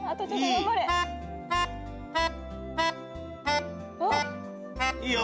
頑張れ！いいよ！